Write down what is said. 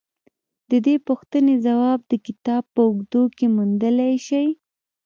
د دې پوښتنې ځواب د کتاب په اوږدو کې موندلای شئ